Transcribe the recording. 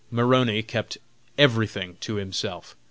Maroney kept everything to himself.